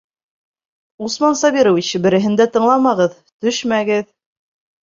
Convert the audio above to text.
Усман Сабирович, береһен дә тыңламағыҙ, төшмәгеҙ!